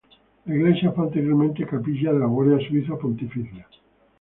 La iglesia fue anteriormente capilla de la Guardia Suiza Pontificia.